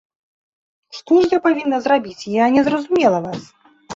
Што ж я павінна зрабіць, я не зразумела вас.